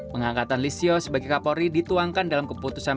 pengangkatan lisio sebagai kapolri dituangkan dalam keputusan